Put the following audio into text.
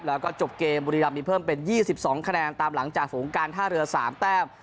แล้วก็จบเกมบุรีรับมีเพิ่มเป็นยี่สิบสองแขนงตามหลังจากโผงการท่าเรือสามแต้ง